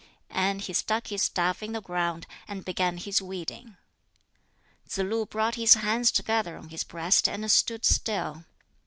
And he stuck his staff in the ground, and began his weeding. Tsz lu brought his hands together on his breast and stood still.